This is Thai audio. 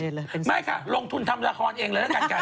เป็นเลยเป็นสอไม่ค่ะลงทุนทำละครเองเลยนะกันกัน